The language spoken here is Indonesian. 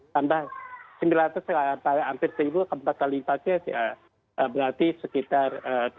tambah sembilan ratus sampai hampir satu keempat kali lipatnya berarti sekitar tiga